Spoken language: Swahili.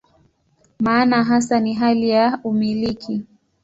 Maana hasa ni hali ya "umiliki".